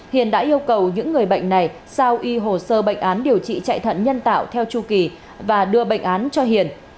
hiền đã yêu cầu những người bệnh này sao y hồ sơ bệnh án điều trị chạy thận nhân tạo theo chu kỳ và đưa bệnh án cho hiền